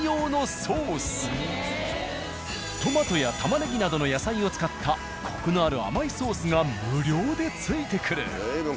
トマトや玉ねぎなどの野菜を使ったコクのある甘いソースが無料で付いてくる。